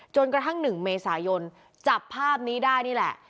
จนกระทั่ง๑เมษายนจับภาพนี้ได้นี่แหละ